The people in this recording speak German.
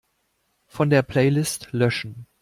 Von der Playlist löschen.